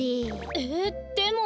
えっでも。